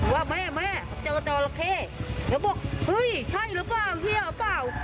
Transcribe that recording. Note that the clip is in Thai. ว่าแม่แม่เจอจอระเข้แล้วบอกเฮ้ยใช่หรือเปล่าเที่ยวเปล่า